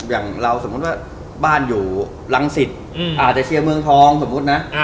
อย่างเราสมมุติว่าบ้านอยู่รังสิตอาจจะเชียร์เมืองทองสมมุตินะ